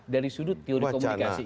dari sudut teori komunikasi